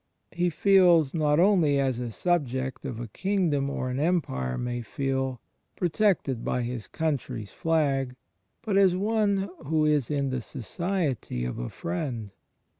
He feels, not only as a subject of a king dom or an empire may feel, protected by his coimtry's flag — but as one who is in the society of a friend.